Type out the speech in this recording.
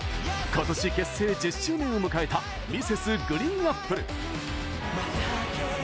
今年、結成１０周年を迎えたＭｒｓ．ＧＲＥＥＮＡＰＰＬＥ。